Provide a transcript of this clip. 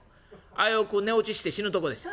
危うく寝落ちして死ぬとこでした。